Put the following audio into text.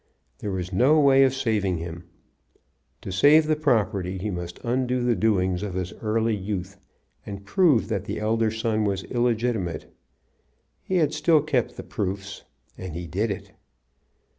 There was no way of saving him. To save the property he must undo the doings of his early youth, and prove that the elder son was illegitimate. He had still kept the proofs, and he did it.